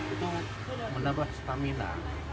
itu menambah stamina